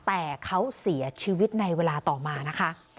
แต่เขาเสียชีวิตในเวลาต่อมานะคะ